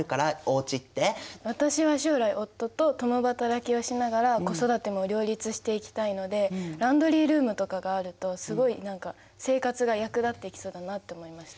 私は将来夫と共働きをしながら子育ても両立していきたいのでランドリールームとかがあるとすごい何か生活が役立っていきそうだなって思いました。